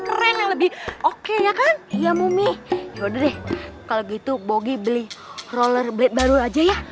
keren lebih oke ya kan iya mumi yaudah deh kalau gitu bogi beli rollerblade baru aja ya